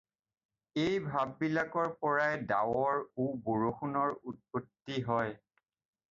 এই ভাপবিলাকৰ পৰাই ডাৱৰ ও বৰষুণৰ উৎপত্তি হয়।